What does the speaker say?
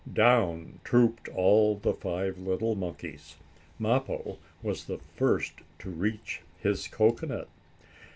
Down trooped all the five little monkeys, Mappo was the first to reach his cocoanut.